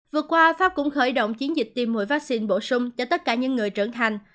vừa qua pháp cũng khởi động chiến dịch tiêm mũi vaccine bổ sung cho tất cả những người trưởng thành